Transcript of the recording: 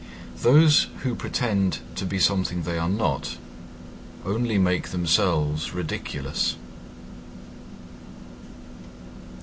Those who pretend to be something they are not only make themselves ridiculous.